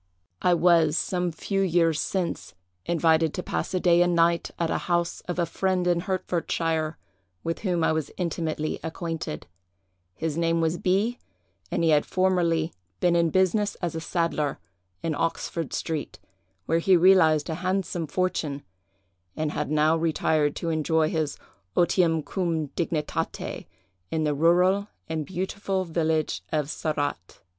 "I was, some few years since, invited to pass a day and night at the house of a friend in Hertfordshire, with whom I was intimately acquainted. His name was B——, and he had formerly been in business as a saddler, in Oxford street, where he realized a handsome fortune, and had now retired to enjoy his otium cum dignitate, in the rural and beautiful village of Sarratt.